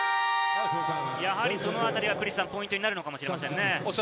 そのあたりはポイントになるのかもしれませんね。